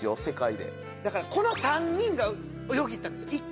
世界でだからこの３人がよぎったんですよ